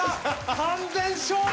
完全勝利！